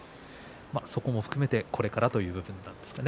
そこも含めて、これからということなんですかね。